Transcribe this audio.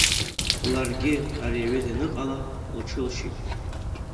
Ларгьы, ари аҩыза аныҟала, лҽылшьит.